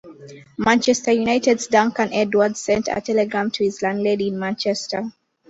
Manchester United's Duncan Edwards sent a telegram to his landlady in Manchester.